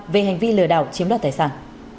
về hành vi lừa đảo chiếm đoạt tài sản